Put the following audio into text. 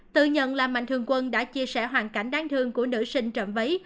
tự nhận là mạnh thường quân đã chia sẻ hoàn cảnh đáng thương của nữ sinh trộm váy